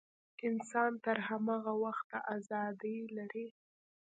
انسان تر هماغه وخته ازادي لري.